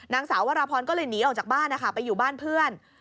นางสาววรพรก็เลยหนีออกจากบ้านนะคะไปอยู่บ้านเพื่อน